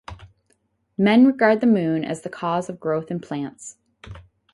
Men regard the moon as the cause of growth in plants.